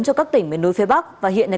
cho các tỉnh miền núi phía bắc và hiện nay